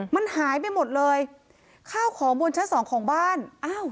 มันหายไปหมดเลยข้าวของบนชั้นสองของบ้านอ้าว